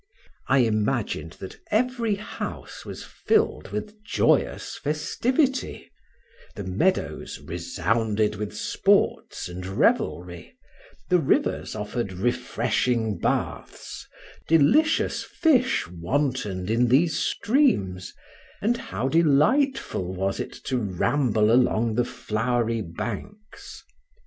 I imagined that every house was filled with joyous festivity, the meadows resounded with sports and revelry, the rivers offered refreshing baths, delicious fish wantoned in these streams, and how delightful was it to ramble along the flowery banks!